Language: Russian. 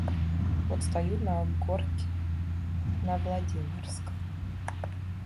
Вот стою на горке на Владимирской.